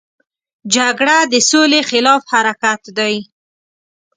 جګړه د سولې خلاف حرکت دی